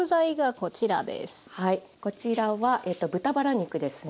こちらは豚バラ肉ですね